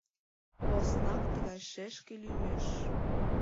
Поснак тыгай шешке лӱмеш!